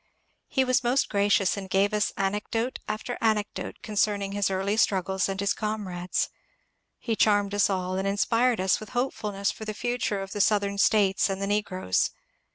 He was most gracious and gave us anecdote after anecdote concerning his early struggles and his comrades. He charmed us all, and inspired us with hopefulness for the future of the Southern States and the negroes.